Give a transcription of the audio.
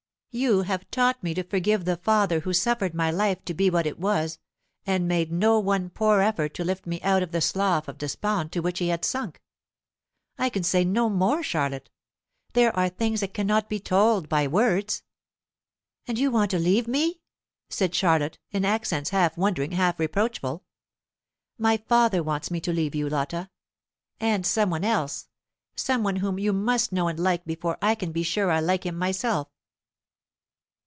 You have taught me to forgive the father who suffered my life to be what it was, and made no one poor effort to lift me out of the slough of despond to which he had sunk. I can say no more, Charlotte. There are things that cannot be told by words." "And you want to leave me!" said Charlotte, in accents half wondering, half reproachful. "My father wants me to leave you, Lotta; and some one else some one whom you must know and like before I can be sure I like him myself."